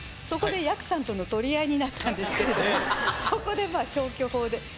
そこでやくさんとの取り合いになったんですけれどもそこでまあ消去法で。